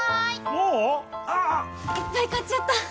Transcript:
もう⁉ああ・・・いっぱい買っちゃった！